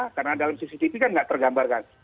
ini kan tidak tergambarkan